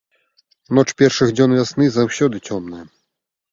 Ноч першых дзён вясны заўсёды цёмная.